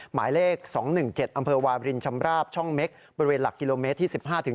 หมายเลข๒๑๗อำเภอวาบรินชำราบช่องเม็กบริเวณหลักกิโลเมตรที่๑๕